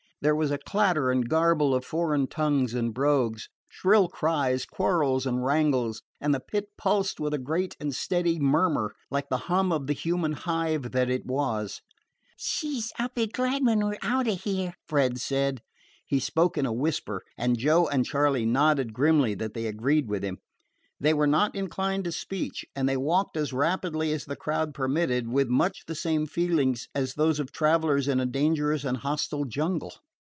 There was a clatter and garble of foreign tongues and brogues, shrill cries, quarrels and wrangles, and the Pit pulsed with a great and steady murmur, like the hum of the human hive that it was. "Phew! I 'll be glad when we 're out of it," Fred said. He spoke in a whisper, and Joe and Charley nodded grimly that they agreed with him. They were not inclined to speech, and they walked as rapidly as the crowd permitted, with much the same feelings as those of travelers in a dangerous and hostile jungle.